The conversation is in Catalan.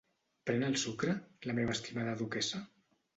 Pren el sucre, la meva estimada duquessa?